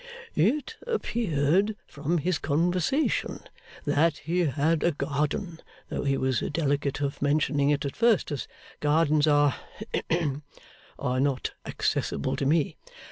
'It appeared from his conversation that he had a garden, though he was delicate of mentioning it at first, as gardens are hem are not accessible to me.